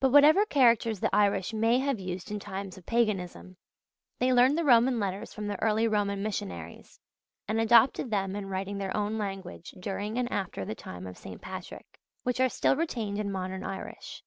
But whatever characters the Irish may have used in times of paganism, they learned the Roman letters from the early Roman missionaries, and adopted them in writing their own language during and after the time of St. Patrick: which are still retained in modern Irish.